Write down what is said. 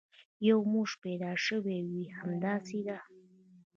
یو موش پیدا شوی وي، همداسې ده.